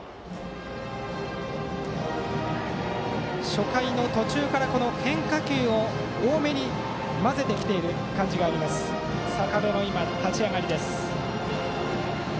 初回の途中から変化球を多めにまぜてきている感じがある坂部の立ち上がりです。